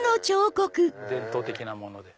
伝統的なもので。